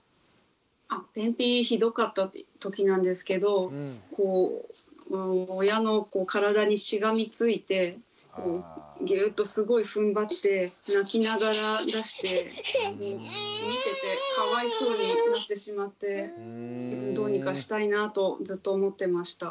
あ便秘ひどかった時なんですけど親の体にしがみついてギューッとすごいふんばって泣きながら出して見ててかわいそうになってしまってどうにかしたいなとずっと思ってました。